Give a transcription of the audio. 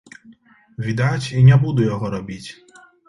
Відаць, і не буду яго рабіць.